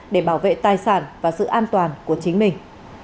để bảo vệ tài sản và sự an toàn của chính mình